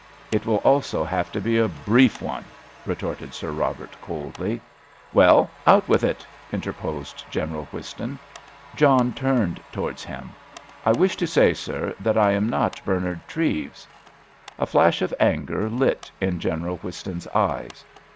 "It will also have to be a brief one," retorted Sir Robert coldly. "Well, out with it," interposed General Whiston. John turned towards him. "I wish to say, sir, that I am not Bernard Treves!" A flash of anger lit in General Whiston's eyes.